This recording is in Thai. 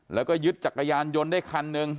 แล้วก็ยึดจักรยานยนต์ได้คันหนึ่ง